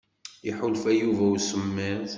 Iḥulfa Yuba i usemmiḍ.